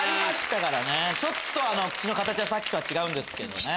ちょっと口の形はさっきとは違うんですけどね。